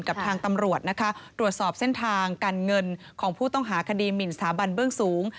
กับทางตำรวจนะคะตรวจสอบเส้นทางการเงินของผู้ต้องหาคดีหมินสถาบันเบื้องสูง